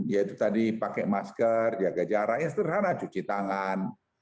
yaitu tadi pakai masker jaga jarak ya sederhana cuci tangan